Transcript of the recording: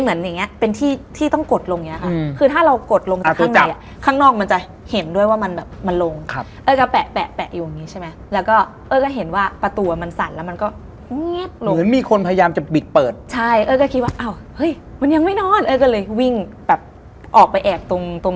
คือลำพูนจะเป็นจังหวัดระหว่างกลาง